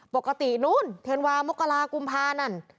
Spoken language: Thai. ปกตินู้นธันวามกรากุมภานั่น